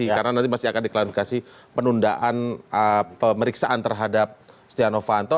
karena nanti masih akan diklarifikasi penundaan pemeriksaan terhadap siti anufanto